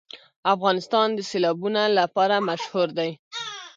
افغانستان د سیلابونه لپاره مشهور دی.